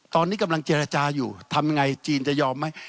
ตอนนี้กำลังเจรจาอยู่ทำยังไงจีนจะยอมไหม